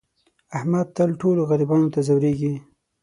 احمد تل ټولو غریبانو ته ځورېږي.